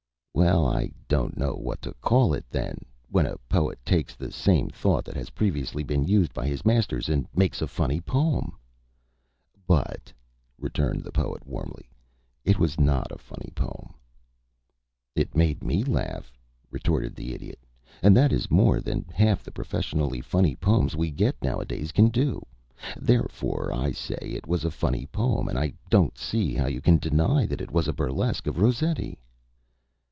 "Well, I don't know what to call it, then, when a poet takes the same thought that has previously been used by his masters and makes a funny poem " "But," returned the Poet, warmly, "it was not a funny poem." "It made me laugh," retorted the Idiot, "and that is more than half the professedly funny poems we get nowadays can do. Therefore I say it was a funny poem, and I don't see how you can deny that it was a burlesque of Rossetti."